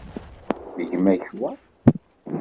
D gma-k wa?